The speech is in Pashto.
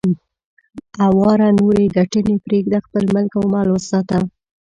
اواره نورې ګټنې پرېږده، خپل ملک او مال وساته.